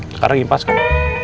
sekarang impas kan